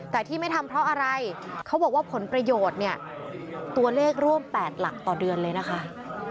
แต่ที่ไม่ทำเพราะอะไรเขาบอกว่าผลประโยชน์เนี่ยตัวเลขร่วม๘หลักต่อเดือนเลยนะคะ